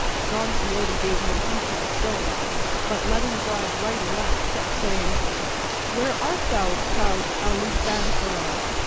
Don Quixote gave no heed to the stones, but, letting drive right and left kept saying: "Where art thou, proud Alifanfaron?